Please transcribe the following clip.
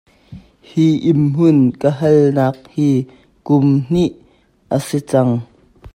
Hi innhmun ka halhnak hi kum hnih a si cang.